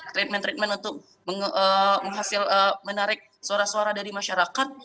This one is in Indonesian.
treatment treatment untuk menarik suara suara dari masyarakat